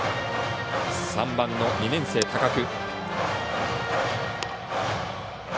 ３番の２年生、高久。